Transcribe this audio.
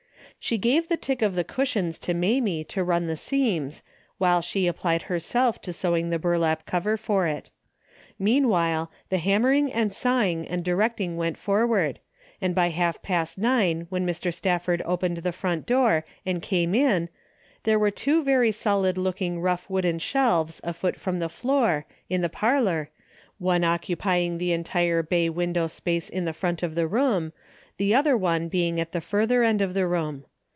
She gave the tick of the cushions to Mamie to run the seams, while she applied herself to sewing the burlap cover for it. Meanwhile, the hammering and sawing and directing went forward, and by half past nine when Mr. Stafford opened the front door and came in there were two very solid looking rough wooden shelves a foot from the floor, in the parlor, one occupying the entire bay window space in the front of the room, the other one being at the further end of the room.